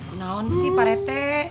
benaun sih pak rt